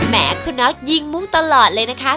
แหมคุณน็อตยิงมุ้งตลอดเลยนะคะ